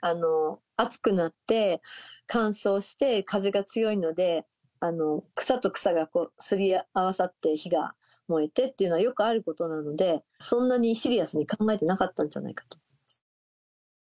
暑くなって、乾燥して風が強いので、草と草がすり合わさって火が燃えてっていうのはよくあることなので、そんなにシリアスに考えていなかったんじゃないかと思います。